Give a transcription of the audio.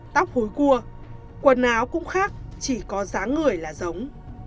tóc hối cua quần áo cũng khác chỉ có dáng người là giống